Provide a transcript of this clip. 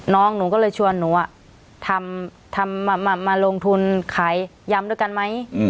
น้องหนูก็เลยชวนหนูทำมาลงทุนขายยำด้วยกันไหม